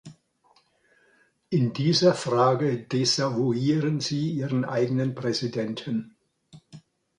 In dieser Frage desavouieren Sie Ihren eigenen Präsidenten.